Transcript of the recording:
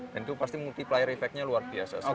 dan itu pasti multiplier effect nya luar biasa sekali